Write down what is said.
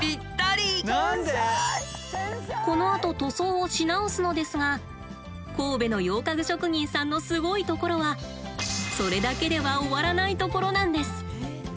このあと塗装をし直すのですが神戸の洋家具職人さんのすごいところはそれだけでは終わらないところなんです。